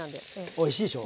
おいしいでしょ。